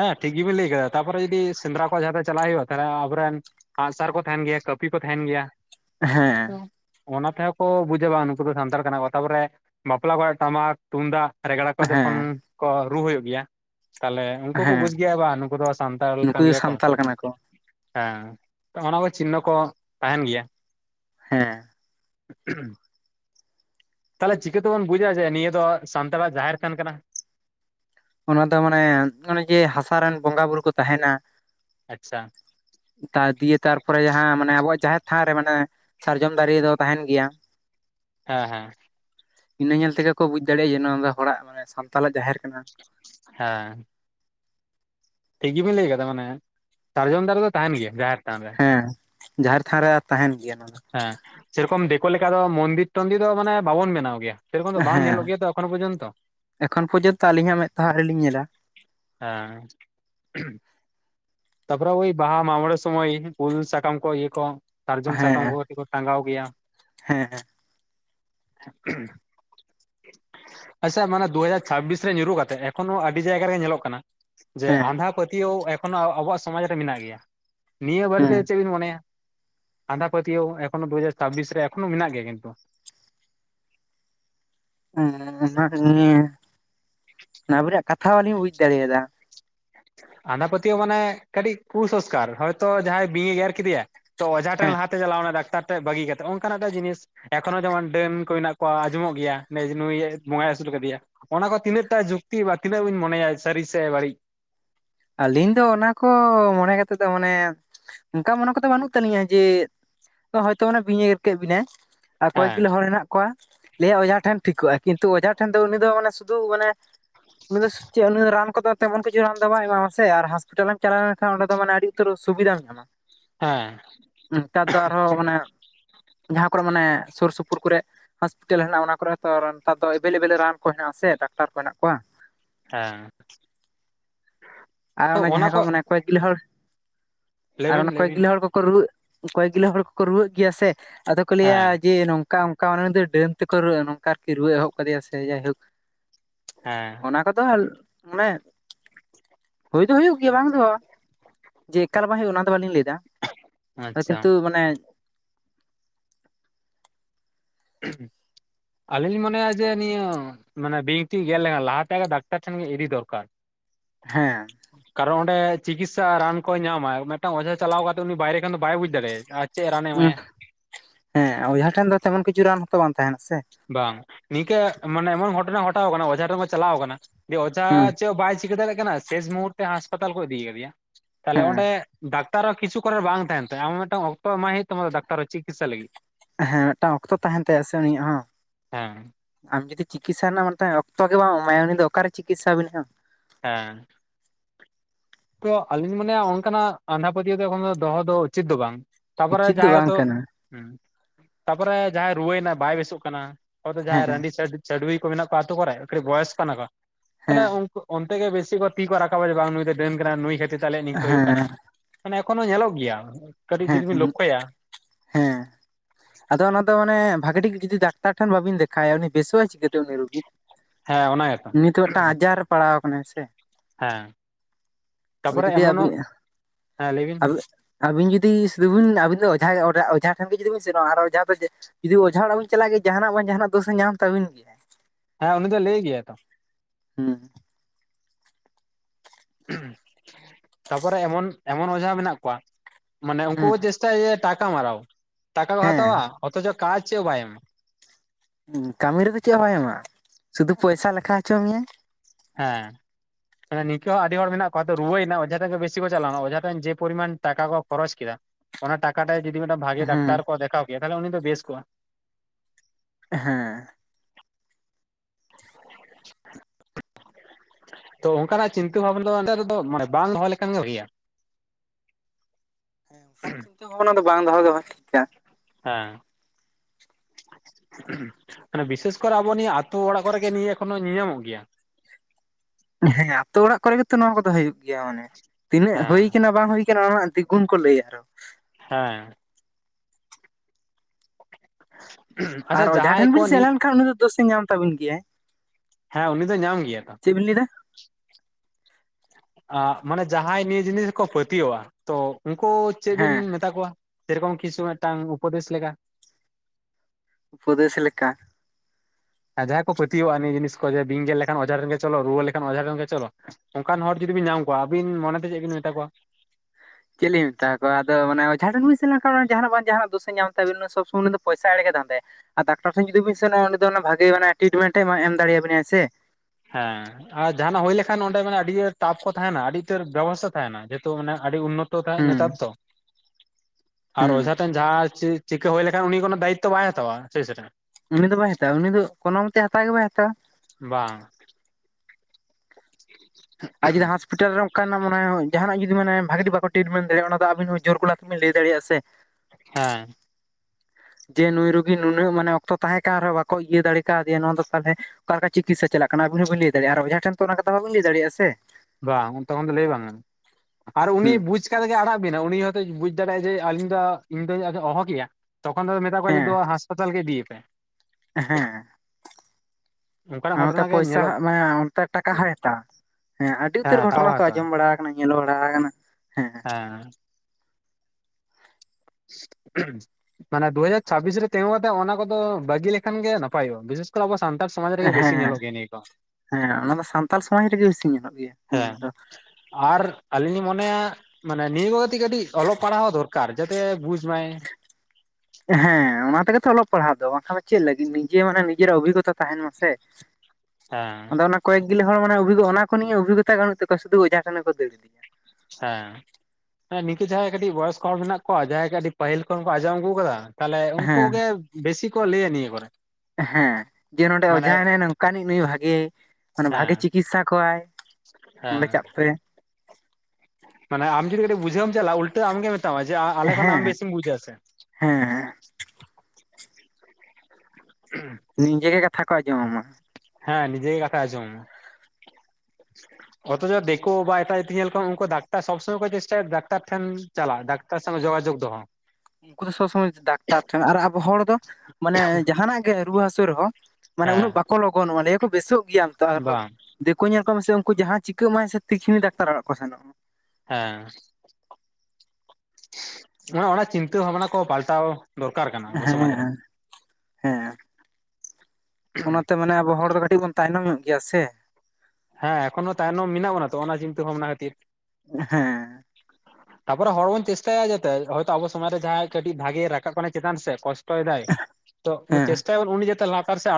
ᱦᱮᱸ ᱴᱷᱤᱠ ᱜᱮᱵᱮᱱ ᱞᱟᱹᱭ ᱠᱟᱫᱟ ᱛᱟᱯᱚᱨᱮ ᱡᱩᱫᱤ ᱥᱮᱸᱫᱽᱨᱟ ᱠᱚᱣᱟᱜ ᱡᱟᱦᱟᱸ ᱠᱚ ᱪᱟᱞᱟᱜ ᱦᱩᱭᱩᱜ-ᱟ ᱛᱟᱦᱞᱮ ᱟᱵᱚᱨᱮᱱ ᱟᱸᱜ-ᱥᱟᱨ ᱠᱚ ᱛᱟᱦᱮᱱ ᱜᱮᱭᱟ ᱠᱟᱹᱯᱤ ᱠᱚ ᱛᱟᱦᱮᱱ ᱜᱮᱭᱟ᱾ ᱦᱮᱸ ᱚᱱᱟ ᱛᱮᱦᱚᱸ ᱠᱚ ᱵᱩᱡᱟ ᱵᱟᱝ ᱱᱩᱠᱩ ᱫᱚ ᱥᱟᱱᱛᱟᱲ ᱠᱟᱱᱟ ᱠᱚ ᱛᱟᱯᱚᱨᱮ ᱵᱟᱯᱞᱟ ᱠᱚᱨᱮᱜ ᱴᱟᱢᱟᱠ, ᱛᱩᱢᱫᱟᱜ, ᱨᱮᱜᱽᱲᱟ ᱠᱚ ᱦᱮᱸ ᱡᱚᱠᱷᱚᱱ ᱠᱚ ᱨᱩ ᱦᱩᱭᱩᱜ ᱜᱮᱭᱟ᱾ ᱛᱟᱦᱞᱮ ᱩᱱᱠᱩ ᱠᱚ ᱦᱮᱸ ᱵᱩᱡᱽ ᱜᱮᱭᱟ ᱵᱟᱝ ᱱᱩᱠᱩ ᱫᱚ ᱥᱟᱱᱛᱟᱞ ᱱᱩᱠᱩ ᱠᱟᱱ ᱫᱚ ᱜᱮᱭᱟ ᱠᱚ᱾ ᱥᱟᱱᱛᱟᱞ ᱠᱟᱱᱟ ᱠᱚ ᱦᱮᱸ ᱚᱱᱟ ᱠᱚ ᱪᱤᱱᱦᱚ ᱠᱚ ᱛᱟᱦᱮᱱ ᱜᱮᱭᱟ᱾ ᱦᱮᱸ ᱦᱩᱸ ᱛᱟᱦᱚᱞᱮ ᱪᱤᱠᱟᱹ ᱛᱮᱵᱚᱱ ᱵᱩᱡᱟ ᱡᱮ ᱱᱤᱭᱟᱹ ᱫᱚ ᱥᱟᱱᱛᱟᱲᱟᱜ ᱡᱟᱦᱮᱨ ᱛᱷᱟᱱ ᱠᱟᱱᱟ? ᱚᱱᱟ ᱫᱚ ᱢᱟᱱᱮ ᱚᱱᱮ ᱡᱮ ᱦᱟᱥᱟ ᱨᱮᱱ ᱵᱚᱸᱜᱟ ᱵᱩᱨᱩ ᱠᱚ ᱛᱟᱦᱮᱱᱟ᱾ ᱟᱪᱪᱷᱟ, ᱛᱟᱨ ᱫᱤᱭᱮ ᱛᱟᱨᱯᱚᱨᱮ ᱡᱟᱦᱟᱸ ᱢᱟᱱᱮ ᱟᱵᱚᱣᱟᱜ ᱡᱟᱦᱮᱨ ᱛᱷᱟᱱ ᱨᱮ ᱢᱟᱱᱮ ᱥᱟᱨᱡᱚᱢ ᱫᱟᱨᱮ ᱫᱚ ᱛᱟᱦᱮᱱ ᱜᱮᱭᱟ᱾ ᱦᱮᱸ ᱦᱮᱸ ᱤᱱᱟᱹ ᱧᱮᱞ ᱛᱮᱜᱮ ᱠᱚ ᱵᱩᱡᱽ ᱫᱟᱲᱮᱭᱟᱜ-ᱟ, ᱡᱮ ᱱᱚᱣᱟ ᱫᱚ ᱦᱚᱲᱟᱜ ᱥᱟᱱᱛᱟᱞᱟᱜ ᱡᱟᱦᱮᱨ ᱠᱟᱱᱟ᱾ ᱦᱮᱸ ᱴᱷᱤᱠ ᱜᱮᱵᱤᱱ ᱞᱟᱹᱭ ᱠᱟᱫᱟ ᱢᱟᱱᱮ ᱥᱟᱨᱡᱚᱢ ᱫᱟᱨᱮ ᱫᱚ ᱛᱟᱦᱮᱱ ᱜᱮᱭᱟ ᱡᱟᱦᱮᱨ ᱛᱷᱟᱱ ᱨᱮ᱾ ᱦᱮᱸ ᱡᱟᱦᱮᱨ ᱛᱷᱟᱱ ᱨᱮ ᱟᱨ ᱛᱟᱦᱮᱱ ᱜᱮᱭᱟ ᱚᱱᱟ ᱫᱚ᱾ ᱦᱮᱸ ᱥᱮᱨᱚᱠᱚᱢ ᱫᱮᱠᱳ ᱞᱮᱠᱟ ᱫᱚ ᱢᱚᱱᱫᱤᱨ ᱴᱚᱱᱫᱤᱨ ᱫᱚ ᱢᱟᱱᱮ ᱵᱟᱵᱚᱱ ᱵᱮᱱᱟᱣ ᱜᱮᱭᱟ᱾ ᱥᱮᱨᱚᱠᱚᱢ ᱫᱚ ᱵᱟᱝ ᱧᱮᱞᱚᱜ ᱦᱮᱸ ᱜᱮᱭᱟ ᱛᱚ ᱮᱠᱷᱚᱱᱚ ᱯᱚᱨᱡᱚᱱ ᱛᱚ᱾ ᱮᱠᱷᱚᱱ ᱯᱚᱨᱡᱚᱱᱛᱚ ᱟᱹᱞᱤᱧᱟᱜ ᱢᱮᱫ ᱛᱮᱦᱚᱸ ᱟᱹᱣᱨᱤ ᱞᱤᱧ ᱧᱮᱞᱟ ᱦᱮᱸ ᱛᱟᱯᱚᱨᱮ ᱳᱭ ᱵᱟᱦᱟ ᱢᱟᱜ-ᱢᱚᱬᱮ ᱥᱚᱢᱚᱭ ᱩᱞ ᱥᱟᱠᱟᱢ ᱠᱚ ᱤᱭᱟᱹ ᱠᱚ ᱥᱟᱨᱡᱚᱢ ᱥᱟᱠᱟᱢ ᱠᱚ ᱦᱮᱸ ᱠᱟᱛᱮ ᱠᱚ ᱴᱟᱸᱜᱟᱣ ᱜᱮᱭᱟ᱾ ᱦᱮᱸ [unintelligible] ᱟᱪᱪᱷᱟ ᱢᱟᱱᱮ ᱫᱩ ᱦᱟᱡᱟᱨ ᱪᱷᱟᱵᱤᱥ ᱨᱮ ᱧᱩᱨᱩ ᱠᱟᱛᱮᱜ ᱮᱠᱷᱚᱱᱳ ᱟᱹᱰᱤ ᱡᱟᱭᱜᱟ ᱨᱮᱜᱮ ᱧᱮᱞᱚᱜ ᱠᱟᱱᱟ ᱡᱮ ᱦᱮᱸ ᱟᱸᱫᱷᱟ ᱯᱟᱹᱛᱭᱟᱹᱣ ᱮᱠᱷᱚᱱᱳ ᱟᱵᱚᱣᱟᱜ ᱥᱚᱢᱟᱡᱽ ᱨᱮ ᱢᱮᱱᱟᱜ ᱜᱮᱭᱟ ᱱᱤᱭᱟᱹ ᱵᱟᱨᱮ ᱦᱮᱸ ᱛᱮ ᱪᱮᱫ ᱵᱤᱱ ᱢᱚᱱᱮᱭᱟ? ᱯᱟᱹᱛᱟᱹᱣ ᱮᱠᱷᱚᱱᱚ ᱫᱩ ᱦᱟᱡᱟᱨ ᱪᱷᱟᱵ-ᱵᱤᱥ ᱨᱮ ᱮᱠᱷᱚᱱᱚ ᱢᱮᱱᱟᱜ ᱜᱮᱭᱟ ᱠᱤᱱᱛᱩ᱾ ᱚᱱᱟ ᱱᱤᱭᱟᱹ ᱟᱵᱮᱱᱟᱜ ᱠᱟᱛᱷᱟ ᱵᱟᱞᱤᱧ ᱵᱩᱡᱽ ᱫᱟᱲᱮᱭᱟᱫᱟ? ᱟᱸᱫᱷᱟ ᱯᱟᱹᱛᱭᱟᱹᱣ ᱢᱟᱱᱮ ᱠᱟᱹᱴᱤᱡ ᱠᱩ-ᱥᱚᱥᱠᱟᱨ ᱦᱚᱭ ᱛᱚ ᱡᱟᱦᱟᱸᱭ ᱵᱤᱧ-ᱮ ᱜᱮᱨ ᱠᱮᱫᱮᱭᱟ᱾ ᱛᱚ ᱚᱡᱷᱟ ᱴᱷᱮᱱ ᱦᱮᱸ ᱞᱟᱦᱟᱛᱮ ᱪᱟᱞᱟᱣ ᱮᱱᱟ ᱰᱟᱠᱛᱟᱨ ᱴᱷᱮᱡ ᱵᱟᱹᱜᱤ ᱠᱟᱛᱮᱫ ᱚᱱᱠᱟᱱᱟᱜ ᱢᱤᱫᱴᱟᱡ ᱡᱤᱱᱤᱥ᱾ ᱮᱠᱷᱚᱱᱳ ᱡᱮᱢᱚᱱ ᱰᱟᱹᱱ ᱠᱚ ᱦᱮᱱᱟᱜ ᱠᱚᱣᱟ ᱟᱸᱡᱚᱢᱚᱜ ᱜᱮᱭᱟ ᱡᱮ ᱱᱩᱭ-ᱮ ᱵᱚᱸᱜᱟᱭ ᱟᱹᱥᱩᱞ ᱠᱟᱫᱮᱭᱟ᱾ ᱚᱱᱟ ᱠᱚ ᱛᱤᱱᱟᱹᱜᱴᱟ ᱡᱩᱠᱛᱤ ᱵᱟ ᱛᱤᱱᱟᱹᱜ ᱵᱤᱱ ᱢᱚᱱᱮᱭᱟ ᱥᱟᱹᱨᱤ ᱥᱮ ᱵᱟᱹᱲᱤᱡ? ᱟᱹᱞᱤᱧ ᱫᱚ ᱚᱱᱟ ᱠᱚ ᱢᱚᱱᱮ ᱠᱟᱛᱮᱫ ᱫᱚ ᱢᱟᱱᱮ ᱚᱱᱠᱟ ᱢᱚᱱᱮ ᱠᱚᱫᱚ ᱵᱟᱹᱱᱩᱜ ᱛᱟᱹᱞᱤᱧᱟ ᱡᱮ ᱦᱚᱭᱛᱚ ᱚᱱᱮ ᱵᱤᱧ-ᱮ ᱜᱮᱨ ᱠᱮᱫ ᱵᱤᱱᱟᱭ ᱟᱨ ᱠᱚᱭᱮᱠ ᱦᱮᱸ ᱜᱞᱟ ᱦᱚᱲ ᱦᱮᱱᱟᱜ ᱠᱚᱭᱟ ᱞᱟᱹᱭᱟ ᱚᱡᱷᱟ ᱴᱷᱮᱱ ᱴᱷᱤᱠᱚᱜᱼᱟ ᱠᱤᱱᱛᱩ ᱚᱡᱷᱟ ᱴᱷᱮᱱ ᱫᱚ ᱩᱱᱤ ᱫᱚ ᱢᱟᱱᱮ ᱥᱩᱫᱷᱩ ᱢᱟᱱᱮ ᱩᱱᱤᱫ ᱫᱚ ᱪᱮᱫ ᱩᱱᱤ ᱨᱟᱱ ᱠᱚᱫᱚ ᱛᱮᱢᱚᱱ ᱠᱤᱪᱩ ᱨᱟᱱ ᱫᱚ ᱵᱟᱭ ᱮᱢᱟ᱾ ᱦᱮᱸᱥᱮ ᱟᱨ ᱦᱚᱥᱯᱤᱴᱟᱞᱮᱢ ᱪᱟᱞᱟᱣ ᱞᱮᱱᱠᱷᱟᱱ ᱚᱸᱰᱮ ᱫᱚ ᱢᱟᱱᱮ ᱟᱹᱰᱤ ᱩᱛᱟᱹᱨ ᱥᱩᱵᱤᱫᱷᱟᱢ ᱧᱟᱢᱟ᱾ ᱦᱮᱸ ᱱᱮᱛᱟᱨ ᱫᱚ ᱟᱨᱦᱚᱸ ᱢᱟᱱᱮ ᱡᱟᱦᱟᱸ ᱠᱚᱨᱮ ᱢᱟᱱᱮ ᱥᱩᱨ ᱥᱩᱯᱩᱨ ᱠᱚᱨᱮ ᱦᱚᱥᱯᱤᱴᱟᱞ ᱦᱮᱱᱟᱜᱼᱟ ᱚᱱᱟ ᱠᱚᱨᱮ ᱛᱚ ᱱᱮᱛᱟᱨ ᱫᱚ ᱮᱵᱮᱞᱮᱵᱮᱞ ᱨᱟᱱ ᱠᱚ ᱦᱮᱱᱟᱜᱼᱟ ᱥᱮ ᱰᱟᱠᱛᱟᱨ ᱠᱚ ᱦᱮᱱᱟᱜ ᱠᱚᱣᱟ᱾ ᱦᱮᱸ᱾ ᱟᱨ ᱛᱚ ᱚᱱᱮ ᱚᱱᱟ ᱡᱟᱦᱟᱸ ᱠᱚ ᱢᱟᱱᱮ ᱠᱚᱭᱮ ᱠᱚᱭ ᱜᱩᱞᱟᱹ ᱦᱚᱲ, ᱟᱨ ᱞᱟᱹᱭᱵᱤᱱ ᱚᱱᱟ ᱠᱚᱭ ᱞᱟᱹᱭᱵᱤᱱ ᱜᱤᱞᱳ ᱦᱚᱲ ᱠᱚ ᱨᱩᱣᱟᱹᱜ ᱠᱚᱭᱮᱠ ᱜᱤᱞᱳ ᱦᱚᱲ ᱠᱚᱠᱚ ᱨᱩᱣᱟᱹᱜ ᱜᱮᱭᱟ ᱥᱮ ᱟᱫᱚ ᱠᱚ ᱞᱟᱹᱭᱟ ᱦᱮᱸ ᱡᱮ ᱱᱚᱝᱠᱟ ᱚᱝᱠᱟ ᱚᱱᱠᱟᱤᱫ ᱫᱚ ᱰᱮᱢ ᱛᱮᱠᱚ ᱨᱩᱣᱟᱹᱜᱼᱟ ᱱᱚᱝᱠᱟᱠᱤ ᱨᱩᱣᱟᱹ ᱮᱦᱚᱵ ᱟᱠᱟᱫᱮᱭᱟ ᱥᱮ ᱡᱟᱭᱦᱳᱠ ᱦᱮᱸ᱾ ᱚᱱᱟ ᱠᱚᱫᱚ ᱢᱟᱱᱮ ᱦᱩᱭᱳᱭ ᱫᱚ ᱦᱩᱭᱩᱜ ᱜᱮᱭᱟ ᱵᱟᱝ ᱫᱚ ᱡᱮ ᱮᱠᱟᱞ ᱵᱟᱝ ᱦᱩᱭᱩᱜᱼᱟ ᱚᱱᱟ ᱫᱚ ᱵᱟᱟᱹᱞᱤᱧ ᱞᱟᱹᱭᱮᱫᱟ᱾ ᱟᱪᱪᱷᱟ ᱠᱤᱱᱛᱩ ᱢᱟᱱᱮ ᱟᱞᱤᱧ ᱢᱟᱱᱮᱭᱟ ᱡᱮ ᱱᱤᱭᱟᱹ ᱢᱟᱱᱮ ᱵᱤᱧᱠᱛᱤ ᱜᱮᱨ ᱞᱮ ᱞᱟᱦᱟᱛᱮ ᱟᱜᱮ ᱰᱟᱛᱟᱨᱷᱮᱱ ᱜᱮ ᱮᱲᱤ ᱫᱚᱨᱠᱟᱨ ᱦᱮᱸ᱾ ᱠᱟᱨᱚᱱ ᱚᱸᱰᱮ ᱪᱤᱠᱤᱥᱤᱛᱥᱟ ᱨᱟᱱ ᱠᱚᱭ ᱧᱟᱢᱟ ᱢᱤᱫᱴᱟᱝ ᱚᱡᱷᱟ ᱪᱟᱞᱟᱣ ᱠᱟᱛᱮ ᱩᱱᱤ ᱵᱟᱭᱨᱮ ᱠᱷᱟᱱ ᱫᱚ ᱵᱟᱭ ᱵᱩᱡᱽ ᱫᱟᱲᱮᱭᱟᱜᱼᱟ ᱟᱨ ᱪᱮᱫ ᱨᱟᱱᱮ ᱮᱢᱟᱭᱟ᱾ ᱦᱮᱸ ᱚᱦᱟ ᱴᱷᱮᱱ ᱫᱚ ᱛᱮᱢᱚᱱ ᱠᱤᱪᱷᱩ ᱨᱟᱱ ᱦᱚᱸᱛᱚ ᱵᱟᱝ ᱛᱟᱦᱮᱱᱟ ᱥᱮ? ᱵᱟᱝ ᱱᱤᱝᱠᱟᱹ ᱢᱟᱱᱮ ᱮᱢᱚᱱ ᱜᱷᱚᱴᱚᱱᱟ ᱜᱚᱴᱟᱣ ᱟᱠᱟᱱᱟ ᱚᱡᱷᱟ ᱴᱷᱮᱱ ᱠᱚ ᱪᱟᱞᱟᱣ ᱟᱠᱟᱱᱟ ᱡᱮ ᱚᱡᱷᱟ ᱦᱮᱸ ᱪᱮᱫ ᱵᱟᱭ ᱪᱤᱠᱟᱹ ᱫᱟᱲᱮᱭᱟᱜ ᱠᱟᱱᱟ ᱥᱮᱥ ᱢᱩᱦᱩᱨᱛᱮ ᱦᱟᱸᱥᱯᱟᱛᱟᱞ ᱠᱚ ᱤᱫᱤ ᱠᱟᱫᱮᱭᱟ ᱛᱟᱦᱞᱮ ᱦᱮᱸ ᱚᱸᱰᱮ ᱰᱟᱠᱛᱟᱨ ᱦᱚᱸ ᱠᱤᱪᱷ ᱠᱚᱨᱮ ᱵᱟᱝ ᱛᱟᱦᱮᱱ ᱛᱟᱭᱟ ᱟᱢᱟᱜ ᱢᱤᱫᱴᱟᱝ ᱚᱠᱛᱚᱭ ᱮᱢᱟᱭ ᱦᱩᱭᱩᱜ ᱛᱟᱢᱟ ᱰᱟᱠᱛᱟᱨ ᱦᱚᱸ ᱪᱤᱠᱤᱛᱥᱟ ᱞᱟᱹᱜᱤᱫ, ᱦᱮᱸ ᱢᱤᱫᱴᱟᱝ ᱚᱠᱛᱚ ᱛᱟᱦᱮᱱ ᱛᱟᱭᱟ ᱥᱮ ᱩᱱᱤᱭᱟᱜ ᱦᱚᱸ ᱦᱮᱸ᱾ ᱟᱢ ᱡᱩᱫᱤ ᱪᱤᱠᱤᱛᱥᱟ ᱨᱮᱱᱟᱜ ᱮᱢ ᱢᱮᱱᱛ ᱚᱠᱛᱚ ᱜᱮ ᱵᱟᱢ ᱮᱢᱟᱭᱟ ᱩᱱᱤ ᱫᱚ ᱚᱠᱮ ᱪᱤᱠᱤᱛᱥᱟ ᱵᱮᱱᱟ ᱾ ᱦᱮᱸ᱾ ᱛᱚ ᱟᱞᱤᱧ ᱢᱚᱱᱮᱭᱟ ᱚᱱᱠᱟᱱᱟᱜ ᱟᱸᱫᱷᱟ ᱯᱟᱹᱛᱭᱟᱹᱣ ᱮᱠᱷᱚᱱ ᱫᱚᱦᱚ ᱫᱚ ᱩᱪᱤᱛ ᱫᱚ ᱵᱟᱝ᱾ ᱛᱟᱯᱚᱨᱮ ᱩᱪᱤᱛ ᱫᱚ ᱡᱟᱦᱟᱸ ᱵᱟᱝ ᱦᱚᱭᱛᱳ ᱠᱟᱱᱟ ᱛᱟᱯᱚᱨᱮ ᱡᱟᱦᱟᱸᱭ ᱨᱩᱣᱟᱹᱭᱮᱱᱟ ᱵᱟᱭ ᱵᱮᱥᱚᱜ ᱠᱟᱱᱟ, ᱟᱭ ᱫᱚ ᱡᱟᱦᱟᱸᱭ ᱦᱮᱸ ᱨᱟᱺᱰᱤ ᱪᱟᱹᱰ ᱪᱟᱹᱰᱣᱤ ᱠᱚ ᱢᱮᱱᱟᱜ ᱠᱚᱣᱟ ᱟᱛᱳ ᱠᱚᱨᱮᱴᱤᱡ ᱵᱚᱭᱚᱥ ᱠᱟᱱᱟ ᱠᱚ ᱛᱟᱦᱚᱞᱮ ᱦᱮᱸ ᱩᱱ ᱜᱮ ᱵᱮᱥᱤ ᱠᱚ ᱛᱤ ᱠᱚ ᱨᱟᱠᱟᱵᱟ ᱵᱟᱝ ᱱᱩᱭ ᱫᱚ ᱰᱟᱹᱱ ᱠᱟᱱᱟ ᱱᱩᱭ ᱠᱷᱟᱹᱛᱤᱨ ᱛᱮ ᱟᱮᱭᱟᱜ ᱱᱝᱠᱟᱹ ᱦᱩᱭᱩᱜ ᱠᱟᱱᱟ᱾ ᱦᱮᱸ ᱢᱟᱱᱮ ᱮᱠᱷᱚᱱᱳ ᱧᱮᱞᱚᱜ ᱜᱮᱭᱟ᱾ ᱠᱟᱹᱴᱤᱡ ᱡᱩᱫᱤ ᱵᱤᱱ ᱦᱮᱸ ᱞᱚᱠᱠᱷᱚᱭᱟ ᱦᱮᱸ᱾ ᱟᱫᱚ ᱚᱱᱟ ᱫᱚ ᱢᱟᱱᱮ ᱵᱷᱟᱜᱤ ᱴᱷᱤᱠ ᱡᱩᱫᱤ ᱰᱟᱛᱟᱨ ᱴᱷᱮᱱ ᱵᱵᱤᱱ ᱫᱮᱠᱷᱟᱟᱭᱭᱟ ᱩᱱᱤ ᱵᱮᱥᱚᱜᱟᱭ ᱪᱤᱠᱟᱹᱛᱮ ᱩᱱᱤ ᱨᱩᱜᱤ? ᱦᱮᱸ ᱚᱱᱟ ᱜᱮᱛᱚ ᱱᱤᱛ ᱢᱤᱫᱴᱟᱝ ᱟᱡᱟᱨ ᱯᱟᱲᱟᱣ ᱠᱟᱱᱟᱭ ᱥᱮ᱾ ᱦᱮᱸ ᱟᱫᱚ ᱛᱟᱯᱚᱨᱮ ᱡᱩᱫᱤ ᱮᱢᱚᱱᱚᱜ ᱟᱵᱤᱱ ᱦᱮᱸ ᱞᱟᱹᱭ ᱵᱤᱱ ᱟᱹᱵᱤᱱ ᱡᱩᱫᱤ ᱛᱤ ᱫᱩᱵᱩᱱ ᱟᱵᱩ ᱫᱚ ᱚᱡᱷᱟ ᱚᱡᱷᱟᱷᱮᱱᱜ ᱜᱮ ᱡᱩᱫᱤ ᱵᱤᱱ ᱥᱮᱱᱚᱜ ᱟᱨ ᱚᱡᱷᱟ ᱫᱚ ᱡᱩᱫᱤ ᱚᱡᱷᱟ ᱚᱲᱟᱜ ᱵᱤᱱ ᱪᱟᱞᱟᱜ ᱜᱮᱭᱟ ᱡᱟᱦᱟᱱᱟᱜ ᱵᱟᱝ ᱡᱟᱦᱟᱱᱟᱜ ᱫᱳᱥᱮ ᱧᱟᱢ ᱛᱟᱵᱤᱱ ᱜᱮᱭᱟ᱾ ᱦᱮᱸ ᱩᱱᱤ ᱫᱚ ᱞᱟᱹᱭ ᱜᱮᱭᱟᱭ ᱛᱚ᱾ ᱦᱮᱸ᱾ ᱛᱟᱯᱚᱨᱮ ᱮᱢᱚᱱ ᱮᱢᱚᱱ ᱚᱡᱦᱟ ᱢᱮᱱᱟᱜ ᱠᱚᱣᱟ ᱢᱟᱱᱮ ᱩᱝᱠᱩ ᱦᱮᱸ ᱠᱚ ᱪᱮᱥ ᱪᱟᱭᱮ ᱴᱠᱟ ᱢᱟᱨᱟᱣ, ᱴᱟᱠᱟ ᱠᱚ ᱦᱟᱛᱟᱣᱟ ᱦᱮᱸ ᱚᱛᱷᱚᱪᱚ ᱠᱟᱡ ᱪᱮᱜ ᱵᱟᱭ ᱮᱢ᱾ ᱠᱟᱹᱢᱤ ᱨᱮᱫᱚ ᱪᱮᱜ ᱦᱚᱸ ᱵᱟᱭ ᱮᱢᱟ, ᱥᱩᱫᱷᱩ ᱯᱚᱭᱥᱟ ᱞᱮᱠᱷᱟ ᱦᱚᱪᱚ ᱢᱮᱭᱟᱭ ᱦᱮᱸ ᱢᱟᱱᱮ ᱱᱤᱝᱠᱟᱹ ᱦᱚᱸ ᱟᱹᱰᱤ ᱦᱚᱲ ᱢᱮᱱᱟᱜ ᱠᱚᱣᱟ ᱨᱩᱣᱟᱹᱭᱱᱟᱭ ᱚᱡᱷᱟ ᱴᱷᱮ ᱜᱮ ᱵᱮᱥᱤ ᱠᱟᱞᱟᱣᱱᱟ ᱚᱡᱷᱟ ᱴᱷᱮᱱ ᱡᱮ ᱯᱚᱨᱤᱢᱟᱱ ᱴᱟᱠᱟ ᱠᱚ ᱠᱷᱚᱨᱚᱪ ᱠᱮᱫᱟ ᱚᱱᱟ ᱴᱟᱠᱟ ᱴᱟᱭ ᱡᱩᱫᱤ ᱢᱤᱫᱴᱮᱱ ᱵᱷᱟᱜᱤ ᱰᱟᱠᱛᱟᱨ ᱦᱮᱸ ᱠᱚ ᱫᱮᱠᱷᱟᱣ ᱠᱮᱭᱟ ᱛᱟᱦᱞᱮ ᱩᱱᱤ ᱫᱚ ᱵᱮᱥ ᱠᱚᱜᱼᱟ᱾ ᱦᱮᱸ ᱛᱚ ᱚᱝᱠᱟᱱᱟᱜ ᱪᱤᱱᱛᱟᱹ [unintelligible] ᱵᱟᱝ ᱫᱚᱦᱚ ᱞᱮᱠᱷᱟᱱ ᱵᱷᱟᱜᱮᱭᱟ᱾ ᱚᱱᱠᱟ ᱪᱤᱱᱛᱟᱹ ᱵᱷᱟᱵᱱᱟ ᱫᱚ ᱵᱟᱝ ᱫᱚᱦᱚ ᱫᱚ [unintelligible] ᱦᱮᱸ ᱢᱟᱱᱮ ᱵᱤᱥᱮᱥ ᱠᱚᱨᱮ ᱟᱵᱚ ᱱᱤᱭᱟᱹ ᱟᱛᱳ ᱚᱲᱟᱜ ᱠᱚᱨᱮ ᱜᱮ ᱱᱤᱭᱟᱹ ᱮᱠᱷᱚᱱᱳ ᱧᱮᱧᱟᱢᱚᱜ ᱜᱮᱭᱟ᱾ ᱦᱮᱸ ᱟᱛᱳ ᱚᱲᱟᱜ ᱠᱚᱨᱮ ᱜᱮᱛᱚ ᱱᱚᱣᱟ ᱠᱚᱫᱚ ᱦᱩᱭᱩᱜ ᱜᱮᱭᱟ ᱢᱟᱱᱮ ᱛᱤᱱᱟᱹᱜ ᱦᱩᱭ ᱦᱮᱸ ᱠᱟᱱᱟ ᱵᱟᱝ ᱦᱩᱭ ᱠᱟᱱᱟ ᱚᱱᱟ ᱨᱮᱱᱟᱜ ᱫᱤᱠ ᱜᱩᱱ ᱠᱚ ᱞᱟᱹᱭᱟ ᱟᱨᱚ᱾ ᱦᱮᱸ [inaudible] ᱟᱪᱪᱷᱟ ᱟᱨ ᱚᱡᱷᱟ ᱡᱟᱦᱟᱸᱭ ᱴᱷᱮᱱ ᱵᱤᱱ ᱠᱚ ᱱᱤ ᱥᱮᱱ ᱞᱮᱱᱠᱷᱟᱱ ᱩᱱᱤ ᱫᱚ ᱫᱳᱥᱮ ᱧᱟᱢ ᱛᱟᱵᱤᱱ ᱜᱮᱭᱟᱭ᱾ ᱦᱮᱸ ᱩᱱᱤ ᱫᱚ ᱧᱟᱢ ᱜᱮᱭᱟ ᱛᱚ᱾ ᱪᱮᱫ ᱵᱤᱱ ᱞᱟᱹᱭ ᱮᱫᱟ ᱟᱸ ᱢᱟᱱᱮ ᱡᱟᱦᱟᱸᱭ ᱱᱤᱭᱟᱹ ᱡᱤᱱᱤᱥ ᱠᱚ ᱯᱟᱹᱛᱭᱟᱹᱣᱟᱜᱼᱟ ᱛᱚ ᱩᱝᱠᱩ ᱪᱮᱜ ᱵᱤᱱ ᱦᱮᱸ ᱢᱮᱛᱟ ᱠᱚᱣᱟ ᱥᱮᱨᱚᱠᱚᱢ ᱠᱤᱪᱷᱩ ᱢᱤᱫᱴᱟᱝ ᱩᱯᱚᱫᱮᱥ ᱞᱮᱠᱟ᱾ ᱩᱯᱚᱫᱮᱥ ᱞᱮᱠᱟ ᱟᱸ ᱡᱟᱦᱟᱸᱭ ᱠᱚ ᱯᱟᱹᱛᱭᱟᱹᱣᱟᱜᱼᱟ ᱱᱤᱭᱟᱹ ᱡᱤᱱᱤᱥ ᱠᱚ ᱡᱮ ᱵᱤᱧ ᱜᱮᱨ ᱞᱮᱠᱷᱟᱱ ᱚᱡᱷᱟ ᱴᱷᱮᱱ ᱜᱮ ᱪᱚᱞᱚ ᱨᱩᱣᱟᱹ ᱞᱮᱠᱷᱟᱱ ᱚᱡᱷᱟ ᱴᱷᱮᱱ ᱜᱮ ᱪᱚᱞᱚ᱾ ᱚᱝᱠᱟᱱ ᱦᱚᱲ ᱡᱩᱫᱤ ᱵᱤᱱ ᱧᱟᱢ ᱠᱚᱣᱟ ᱟᱵᱤᱱ ᱢᱚᱱᱮᱛᱮ ᱪᱮᱜ ᱵᱤᱱ ᱢᱮᱛᱟ ᱠᱚᱣᱟ? ᱪᱮᱜ ᱞᱤᱧ ᱢᱮᱛᱟ ᱠᱚᱣᱟ ᱟᱫᱚ ᱢᱟᱱᱮ ᱚᱡᱷᱟ ᱴᱷᱮᱱ ᱵᱮᱱ ᱥᱮᱱ ᱞᱮᱱᱠᱷᱟᱱ ᱡᱟᱦᱱᱟᱜ ᱵᱟᱝ ᱡᱟᱦᱟᱱᱟᱜ ᱫᱳᱥᱮ ᱧᱟᱢ ᱛᱟᱵᱮᱱ ᱥᱚᱵ ᱥᱚᱢᱚᱭ ᱩᱱᱤ ᱫᱚ ᱯᱚᱭᱥᱟ ᱮᱲᱮ ᱜᱮᱭ ᱫᱷᱟᱱᱫᱟᱭᱟ᱾ ᱟ ᱰᱟᱠᱛᱟᱨ ᱴᱷᱮᱱ ᱡᱩᱫᱤᱵᱤᱱ ᱥᱮᱱᱚᱜᱼᱟ ᱩᱱᱤ ᱫᱚ ᱚᱱᱟ ᱵᱷᱟᱜᱤ ᱢᱟᱱᱮ ᱴᱤᱴᱢᱮᱱᱴ ᱮ ᱮᱢ ᱫᱟᱲᱮᱭᱟ ᱵᱤᱱᱟ ᱥᱮ᱾ ᱦᱮᱸ ᱟ ᱡᱟᱦᱟᱱᱟᱜ ᱦᱩᱭ ᱞᱮᱠᱷᱟᱱ ᱚᱸᱰᱮ ᱢᱟᱱᱮ ᱟᱹᱰᱤ ᱴᱟᱯ ᱠᱚ ᱛᱟᱦᱮᱱᱟ ᱟᱹᱰᱤ ᱩᱛᱟᱹᱨ ᱵᱮᱵᱚᱥᱛᱟ ᱛᱟᱦᱮᱱᱟ ᱡᱮᱦᱮᱛᱩ ᱢᱟᱱᱮ ᱟᱹᱰᱤ ᱩᱱᱱᱚ ᱛᱚ ᱛᱟᱦᱮᱸᱡ ᱦᱩᱸ ᱱᱮᱛᱟᱨ ᱫᱚ ᱟᱨ ᱦᱩᱸ ᱚᱡᱷᱟ ᱴᱷᱮᱱ ᱡᱟᱦᱟᱸ ᱪᱤ-ᱪᱤᱠᱟᱹ ᱦᱩᱭ ᱞᱮᱠᱷᱟᱱ ᱩᱱᱤ ᱠᱚᱱᱳ ᱫᱟᱭᱤᱛᱛᱚ ᱵᱟᱭ ᱦᱟᱛᱟᱣᱟ [unintelligible] ᱩᱱᱤ ᱫᱚ ᱵᱟᱭ ᱦᱟᱛᱟᱣᱟ ᱩᱱᱤ ᱫᱚ ᱠᱳᱱᱳ ᱢᱚᱛᱮ ᱦᱟᱛᱟᱣ ᱜᱮ ᱵᱟᱭ ᱦᱟᱛᱟᱣᱟ᱾ ᱵᱟᱝ᱾ [inaudible] [unintelligible] ᱯᱤᱴᱟᱞ ᱨᱮ ᱚᱝᱠᱟᱱᱟᱜ ᱢᱟᱱᱮ ᱡᱟᱦᱟᱱᱟᱜ ᱡᱩᱫᱤ ᱢᱟᱱᱮ ᱵᱷᱟᱜᱮ ᱴᱷᱤᱠ ᱵᱟᱠᱚ ᱴᱤᱴᱢᱮᱱ ᱫᱟᱲᱮᱜᱼᱟ ᱚᱱᱟᱫᱚ ᱟᱵᱤᱱ ᱦᱚᱸ ᱡᱳᱨ ᱜᱚᱞᱟ ᱛᱮᱵᱤᱱ ᱞᱟᱹᱭ ᱫᱟᱲᱮᱭᱟᱜᱼᱟ ᱥᱮ᱾ ᱦᱮᱸ ᱡᱮ ᱱᱩᱭ ᱨᱩᱜᱤ ᱱᱩᱱᱟᱹᱜ ᱢᱟᱱᱮ ᱚᱠᱛᱚ ᱛᱟᱦᱮᱸ ᱠᱟᱱ ᱨᱮᱦᱚᱸ ᱵᱟᱠᱚ ᱤᱭᱟᱹ ᱫᱟᱲᱮ ᱠᱟᱣᱫᱮᱭᱟ ᱱᱚᱣᱟ ᱫᱚ ᱛᱟᱞᱦᱮ ᱚᱠᱟ ᱞᱮᱠᱟ ᱪᱤᱠᱤᱥᱥᱟ ᱪᱟᱞᱟᱜ ᱠᱟᱱᱟ ᱟᱵᱤᱱ ᱦᱚᱸᱵᱤᱱ ᱞᱟᱹᱭ ᱫᱟᱲᱮᱜᱼᱟ, ᱟᱨ ᱟᱡᱷᱟ ᱴᱷᱮᱱ ᱛᱚ ᱚᱱᱟ ᱠᱟᱛᱷᱟ ᱵᱟᱵᱤᱱ ᱞᱟᱹᱭ ᱫᱟᱲᱮᱜᱼᱟ ᱥᱮ᱾ ᱵᱟᱝ ᱛᱚᱠᱷᱚᱱ ᱫᱚ ᱞᱟᱹᱭ ᱵᱟᱝ ᱜᱟᱱᱚᱜ ᱟᱨ ᱩᱱᱤ ᱦᱩᱸ ᱵᱩᱡᱽ [unintelligible] ᱟᱲᱟᱜ ᱵᱤᱱᱟ ᱩᱱᱤ ᱦᱚᱛᱚ ᱵᱩᱡᱽ ᱫᱟᱲᱮᱜᱼᱟ ᱡᱮ ᱟᱹᱞᱤᱧ ᱫᱚ ᱤᱧᱫᱚᱧ ᱚᱦᱚ ᱠᱮᱭᱟ᱾ ᱛᱚᱠᱷᱚᱱ ᱫᱚ ᱢᱮᱛᱟᱜ ᱠᱚᱣᱟ ᱡᱮ ᱦᱮᱸ ᱫᱩ ᱦᱟᱥᱯᱟᱛᱟᱞ ᱜᱮ ᱤᱫᱤᱭᱮᱯᱮ᱾ ᱦᱮᱸ ᱚᱱᱠᱟᱱᱟᱜ ᱟᱸ ᱱᱚᱛᱮ ᱜᱷᱚᱴᱚᱱᱟ ᱜᱮ ᱯᱚᱭᱥᱟ ᱧᱮᱞᱚᱜ ᱦᱚᱸ ᱢᱟᱱᱮ ᱚᱱᱛᱮ ᱴᱟᱠᱟ ᱜᱮᱭᱟ ᱦᱚᱸᱭ ᱦᱟᱛᱟᱣᱟ ᱦᱮᱸ ᱟᱹᱰᱤ ᱩᱛᱟᱹᱨ ᱦᱮᱸ ᱴᱟᱠᱟᱣ ᱜᱷᱚᱴᱚᱱᱟ ᱛᱚ ᱦᱟᱛᱟᱣᱟ ᱟᱸᱡᱚᱢ ᱵᱟᱲᱟᱣ ᱠᱟᱱᱟ ᱧᱮᱞ ᱵᱟᱲᱟᱣ ᱠᱟᱱᱟ᱾ ᱦᱮᱸ [inaudible] ᱢᱟᱱᱮ ᱫᱩᱦᱟᱡᱟᱨ ᱪᱷᱟᱵᱵᱤᱥ ᱨᱮ ᱛᱤᱸᱜᱩ ᱠᱟᱛᱮ ᱚᱱᱟ ᱠᱚᱫᱚ ᱵᱟᱹᱜᱤ ᱞᱮᱠᱷᱟᱱ ᱜᱮ ᱱᱟᱯᱟᱭᱚᱜᱼᱟ ᱵᱤᱥᱮᱥ ᱠᱚᱨᱮ ᱟᱵᱚ ᱥᱟᱱᱛᱟᱲ ᱥᱚᱢᱟᱡᱽ ᱨᱮᱜᱮ ᱵᱮᱥᱤ ᱧᱮᱞᱚᱜ ᱦᱮᱸ, ᱜᱮᱭᱟ ᱱᱤᱭᱟᱹ ᱠᱚ ᱦᱮᱸ ᱚᱱᱟ ᱫᱚ ᱥᱟᱱᱛᱟᱞ ᱥᱚᱢᱟᱡᱽ ᱨᱮᱜᱮ ᱵᱮᱥᱤ ᱧᱮᱞᱚᱜ ᱜᱮᱭᱟ᱾ ᱧᱮᱞ ᱦᱮᱸ ᱫᱚ ᱟᱨ ᱟᱹᱞᱤᱧ ᱞᱤᱧ ᱢᱚᱱᱮᱭᱟ ᱢᱟᱱᱮ ᱱᱤᱭᱳ ᱠᱚ ᱠᱟᱛᱮᱜ ᱠᱟᱹᱴᱤᱡ ᱚᱞᱚᱜ ᱯᱟᱲᱦᱟᱣ ᱫᱚᱨᱠᱟᱨ ᱡᱟᱛᱮ ᱵᱩᱡ ᱢᱟᱭ᱾ ᱦᱮᱸ ᱚᱱᱟ ᱛᱮ ᱜᱮ ᱛᱚ ᱚᱞᱚᱜ ᱯᱟᱲᱦᱟᱜ ᱫᱚ ᱵᱟᱝ ᱠᱷᱟᱱ ᱫᱚ ᱪᱮᱫ ᱞᱟᱹᱜᱤᱫ ᱱᱤᱡᱮ ᱢᱟᱱᱮ ᱱᱤᱡᱮᱨᱟᱜ ᱚᱵᱷᱤᱜᱚᱛᱟ ᱛᱟᱦᱮᱱ ᱢᱟᱥᱮ᱾ [inaudible] ᱦᱮᱸ ᱟᱫᱚ ᱚᱱᱟ ᱠᱚᱭᱮᱠ ᱜᱮᱞᱮ ᱦᱚᱲ ᱢᱟᱱᱮ ᱚᱵᱷᱤᱜ ᱚᱱᱟ ᱠᱚ ᱱᱤᱭᱟᱹ ᱚᱵᱷᱤᱜᱚᱛᱟ ᱵᱟᱹᱱᱩᱜ ᱛᱟᱠᱚᱣᱟ᱾ ᱥᱩᱫᱩ ᱚᱸᱡᱷᱟ ᱴᱷᱮᱱ ᱜᱮᱠᱚ ᱫᱟᱹᱲ ᱤᱫᱤᱭ-ᱟ᱾ ᱦᱮᱸ᱾ ᱦᱮᱸ ᱱᱤᱛᱳᱜ ᱡᱟᱦᱟᱭ ᱠᱟᱹᱴᱤᱡ ᱵᱚᱭᱚᱥ ᱠᱚ ᱦᱚᱲ ᱢᱮᱱᱟᱜ ᱠᱚᱣᱟ᱾ ᱡᱟᱦᱟᱭ ᱜᱮ ᱠᱟᱹᱴᱤᱡ ᱯᱟᱹᱦᱤᱞ ᱠᱷᱚᱱ ᱠᱚ ᱟᱸᱡᱚᱢ ᱟᱹᱜᱩ ᱠᱟᱫᱟ᱾ ᱛᱟᱦᱞᱮ ᱩᱱᱠᱩ ᱦᱮᱸ ᱜᱮ ᱵᱮᱥᱤ ᱠᱚ ᱞᱟᱹᱭ-ᱟ ᱱᱤᱭᱟᱹ ᱠᱚᱨᱮ᱾ ᱦᱮᱸ ᱡᱮ ᱱᱚᱰᱮ ᱢᱟᱱᱮ ᱚᱸᱡᱷᱟ ᱦᱮᱱᱟᱭ ᱱᱚᱝᱠᱟᱱᱤᱡ ᱱᱩᱭ ᱵᱷᱟᱜᱮ ᱢᱟᱱᱮ ᱵᱷᱟᱜᱮ ᱦᱮᱸ ᱪᱤᱠᱤᱛᱥᱟ ᱠᱚᱣᱟᱭ᱾ ᱚᱸᱰᱮ ᱦᱮᱸ᱾ ᱪᱟᱜ ᱯᱮ ᱢᱟᱱᱮ ᱟᱢ ᱡᱚᱫᱤ ᱠᱟᱹᱴᱤᱡ ᱵᱩᱡᱟᱹᱣ ᱮᱢ ᱪᱟᱞᱟᱜ-ᱟ᱾ ᱩᱞᱴᱟᱹ ᱟᱢ ᱜᱮ ᱢᱮᱛᱟᱢ ᱟᱭ ᱡᱮ ᱟᱞᱮ ᱠᱷᱚᱱ ᱟᱢ ᱵᱮᱥᱤᱢ ᱵᱩᱡᱟ ᱥᱮ᱾ ᱦᱮᱸ, ᱦᱮᱸ᱾ [inaudible] ᱱᱤᱡᱮ ᱜᱮ ᱠᱟᱛᱷᱟ ᱠᱚ ᱟᱸᱡᱚᱢ ᱟᱢᱟ᱾ ᱦᱮᱸ ᱱᱤᱡᱮ ᱜᱮ ᱠᱟᱛᱷᱟᱭ ᱟᱸᱡᱚᱢ ᱟᱢᱟ᱾ ᱚᱛᱷᱚᱪᱚ ᱫᱤᱠᱳ ᱵᱟ ᱮᱴᱟᱜ ᱡᱟᱹᱛᱤ ᱧᱮᱞ ᱠᱚᱢ ᱩᱱᱠᱩ ᱰᱟᱠᱛᱟᱨ ᱥᱚᱵ ᱥᱚᱢᱚᱭ ᱠᱚ ᱪᱮᱥᱴᱟᱭ-ᱟ ᱰᱟᱠ ᱛᱟᱨ ᱴᱷᱮᱱ ᱪᱟᱞᱟᱜ ᱰᱟᱠᱛᱟᱨ ᱥᱟᱣ ᱡᱳᱜᱟ ᱡᱳᱜᱽ ᱫᱚᱦᱚ᱾ ᱩᱱᱠᱩ ᱫᱚ ᱥᱚᱵ ᱥᱩᱢᱚᱭ ᱰᱟᱠᱛᱟᱨ ᱴᱷᱮᱱ ᱟᱨ ᱟᱵᱚ ᱦᱚᱲ ᱫᱚ ᱢᱟᱱᱮ ᱡᱟᱦᱟᱱᱟᱜ ᱜᱮ ᱨᱩᱣᱟᱹ ᱦᱟᱹᱥᱩ ᱨᱮᱦᱚᱸ, ᱢᱟᱱᱮ ᱩᱱᱟᱹᱜ ᱦᱮᱸ ᱵᱟᱠᱚ ᱞᱚᱜᱚᱱᱚᱜ-ᱟ ᱞᱤᱭᱟᱹ ᱠᱚ ᱵᱮᱥᱚᱜ ᱜᱮᱭᱟᱢ ᱛᱚ ᱟᱨ ᱵᱟᱝ ᱫᱤᱠᱩ ᱧᱮᱞ ᱠᱚᱢ ᱢᱮ ᱥᱮ ᱩᱱᱠᱩ ᱡᱟᱦᱟᱸ ᱪᱤᱠᱟᱹᱜ ᱢᱟᱭ ᱥᱮ ᱛᱤᱠᱷᱤᱱᱤ ᱫᱟᱠᱛᱟᱨ ᱚᱲᱟᱜ ᱠᱚ ᱥᱮᱱᱚᱜᱼᱟ᱾ ᱦᱮᱸ᱾ ᱚᱱᱮ ᱚᱱᱟ ᱪᱤᱱᱛᱟᱹ ᱵᱷᱟᱵᱱᱟ ᱠᱚ ᱯᱟᱞᱴᱟᱣ ᱫᱚᱨᱠᱟᱨ ᱠᱟᱱᱟ ᱟᱵᱚ ᱥᱚᱢᱟᱡ ᱨᱮ᱾ ᱦᱮᱸ ᱦᱮᱸ [unintelligible] ᱚᱱᱟᱛᱮ ᱢᱟᱱᱮ ᱟᱵᱚ ᱦᱚᱲ ᱫᱚ ᱠᱟᱹᱴᱤᱡ ᱵᱚᱱ ᱛᱟᱭᱱᱚᱢ ᱧᱚᱜ ᱜᱮᱭᱟ ᱥᱮ? ᱦᱮᱸ ᱮᱠᱷᱚᱱᱚ ᱦᱚ ᱛᱟᱭᱱᱚᱢ ᱢᱮᱱᱟᱜ ᱵᱚᱱᱟ ᱛᱚ ᱚᱱᱟ ᱪᱤᱱᱛᱟᱹ ᱵᱷᱟᱵᱽᱱᱟ ᱠᱷᱟᱹᱛᱤᱨ᱾ ᱦᱮᱸ ᱾ ᱛᱟᱯᱚᱨ ᱦᱚᱲ ᱵᱚᱱ ᱪᱮᱥᱴᱟᱭᱟ ᱡᱟᱛᱮ ᱦᱚᱭᱛᱮ ᱟᱵᱚ ᱥᱚᱢᱚᱭᱨᱮ ᱡᱟᱦᱟᱸ ᱠᱟᱹᱴᱤᱡ ᱵᱷᱟᱜᱮᱭ ᱨᱟᱠᱟᱵ ᱠᱟᱱᱟ ᱪᱮᱛᱟᱱ ᱥᱮ ᱠᱚᱥᱴ ᱠᱚᱥᱴᱚᱭ ᱫᱟᱭ ᱛᱚ ᱦᱮᱸ ᱪᱮᱥᱴᱟᱭ ᱩᱱᱤ ᱡᱟᱛᱮ ᱞᱟᱛᱟᱨ ᱥᱮ ᱟᱲ